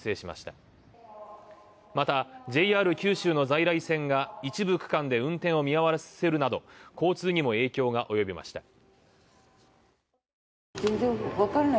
また、ＪＲ九州の在来線が一部区間で運転を見合わせるなど、交通にも影響が及びました。